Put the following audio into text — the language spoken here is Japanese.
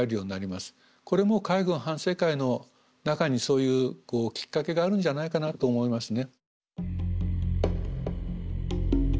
これも海軍反省会の中にそういうきっかけがあるんじゃないかなと思いますね。